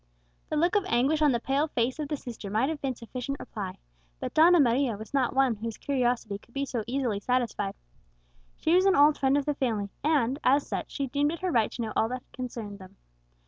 The look of anguish on the pale face of the sister might have been sufficient reply, but Donna Maria was not one whose curiosity could be so easily satisfied. She was an old friend of the family, and, as such, she deemed it her right to know all that concerned them.